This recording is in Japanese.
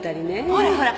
ほらほら。